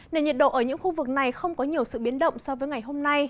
nền nhiệt độ ở những khu vực này không có nhiều sự biến động so với ngày hôm nay